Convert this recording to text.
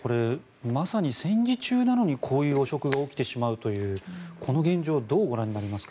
まさに戦時中なのにこういう汚職が起きてしまうというこの現状をどうご覧になりますか。